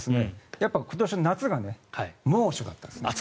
やっぱり今年の夏が猛暑だったんですね。